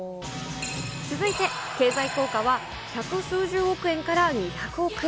続いて経済効果は百数十億円から２００億円。